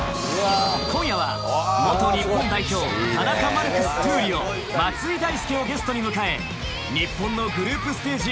今夜は元日本代表田中マルクス闘莉王松井大輔をゲストに迎え日本のグループステージ